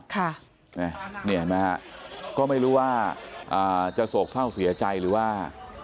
ค่ะเนี่ยเห็นไหมฮะก็ไม่รู้ว่าอ่าจะโสกเศร้าเสียใจหรือว่า